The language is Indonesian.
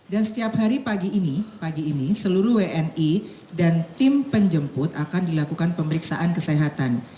dan setiap hari pagi ini seluruh wni dan tim penjemput akan dilakukan pemeriksaan kesehatan